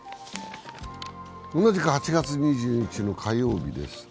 同じく８月２２日の火曜日です。